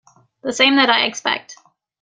The same that I expect.